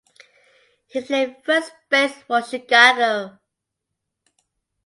He played first base for Chicago.